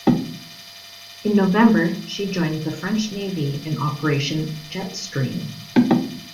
In November she joined the French navy in Operation "Jet Stream".